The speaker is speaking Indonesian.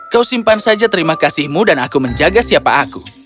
kau simpan saja terima kasihmu dan aku menjaga siapa aku